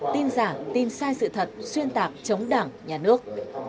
tin giả tin sai sự thật xuyên tạc chống đảng nhà nước